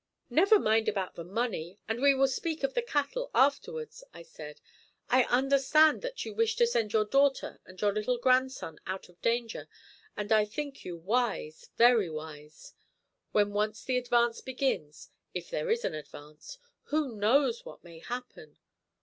"Never mind about the money, and we will speak of the cattle afterwards," I said. "I understand that you wish to send your daughter and your little grandson out of danger, and I think you wise, very wise. When once the advance begins, if there is an advance, who knows what may happen?